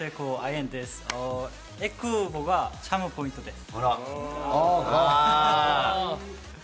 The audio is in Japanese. えくぼがチャームポイントです。